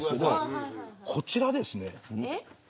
こちらです。